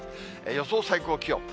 予想最高気温。